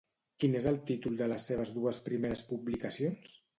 Quin és el títol de les seves dues primeres publicacions?